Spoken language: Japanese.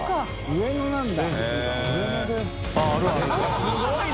すごいね！